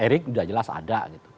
erik sudah jelas ada gitu